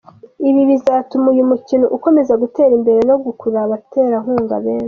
Ibi bizatuma uyu mukino ukomeza gutera imbere no gukurura abaterankunga benshi.